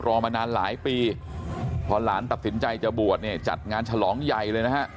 มานานหลายปีพอหลานตัดสินใจจะบวชเนี่ยจัดงานฉลองใหญ่เลยนะฮะ